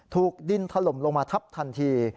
ถูกดินถล่มลงมาทับทันที